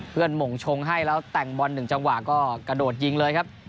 หม่งชงให้แล้วแต่งบอล๑จังหวะก็กระโดดยิงเลยครับ